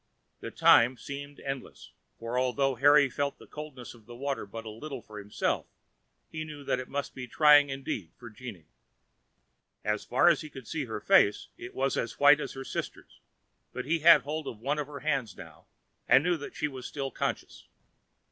The time seemed endless, for although Harry felt the coldness of the water but little for himself, he knew that it must be trying indeed for Jeanne. As far as he could see her face it was as white as her sister's; but he had hold of one of her hands now, and knew that she was still conscious.